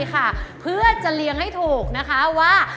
ค่ะเพื่อจะเลี้ยงให้ถูกนะคะว่า